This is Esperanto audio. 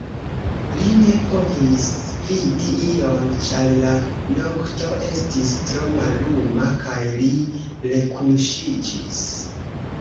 Li ne povis vidi ion, ĉar la nokto estis tro malluma, kaj li rekuŝiĝis.